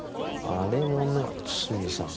あれもね堤さん。